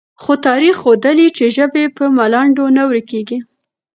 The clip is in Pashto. خو تاریخ ښودلې، چې ژبې په ملنډو نه ورکېږي،